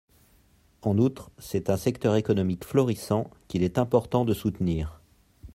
En outre, c’est un secteur économique florissant, qu’il est important de soutenir.